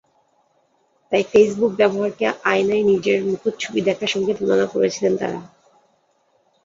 তাই ফেসবুক ব্যবহারকে আয়নায় নিজের মুখচ্ছবি দেখার সঙ্গে তুলনা করেছিলেন তাঁরা।